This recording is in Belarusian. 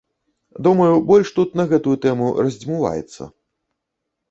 Думаю, больш тут на гэтую тэму раздзьмуваецца.